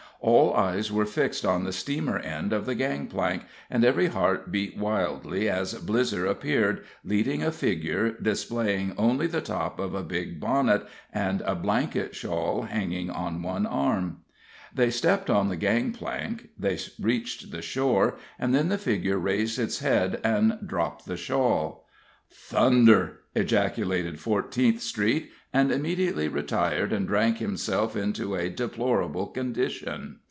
All eyes were fixed on the steamer end of the gang plank, and every heart beat wildly as Blizzer appeared, leading a figure displaying only the top of a big bonnet and a blanket shawl hanging on one arm. They stepped on the gang plank, they reached the shore, and then the figure raised its head and dropped the shawl. "Thunder!" ejaculated Fourteenth Street, and immediately retired and drank himself into a deplorable condition.